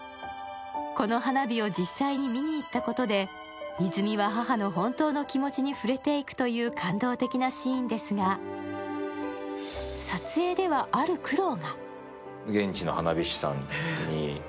この花火を実際に見に行ったことで、泉は母の本当の気持ちに触れていくという感動的なシーンですが撮影ではある苦労が。